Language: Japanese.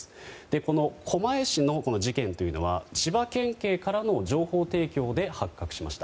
この狛江市の事件というのは千葉県警からの情報提供で発覚しました。